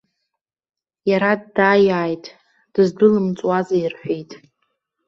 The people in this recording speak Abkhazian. Иара дааиааит, дыздәылымҵуазеи рҳәеит.